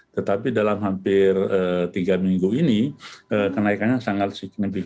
tetapi dalam hampir tiga minggu ini kenaikannya sangat signifikan